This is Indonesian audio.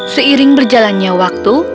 seiring berjalannya waktu